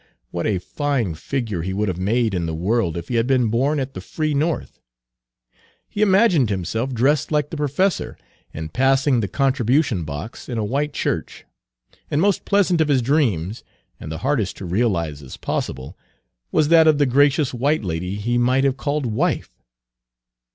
What a fine figure he would have made in the world if he had been born at the free North! He imagined himself dressed like the professor, and passing the contribution box in a white church; and most pleasant of his dreams, and the hardest to realize as possible, was that of the gracious white lady he might have called wife.